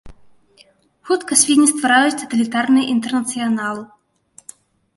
Хутка свінні ствараюць таталітарны інтэрнацыянал.